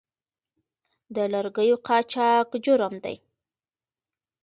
د لرګیو قاچاق جرم دی